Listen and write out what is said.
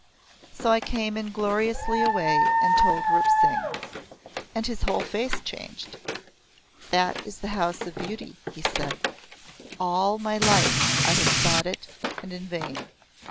So I came ingloriously away and told Rup Singh. And his whole face changed. 'That is The House of Beauty,' he said. 'All my life have I sought it and in vain.